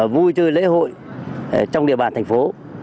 vui chơi lễ hội trong địa bàn thành phố